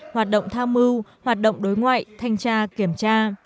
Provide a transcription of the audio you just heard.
hoạt động tham mưu hoạt động đối ngoại thanh tra kiểm tra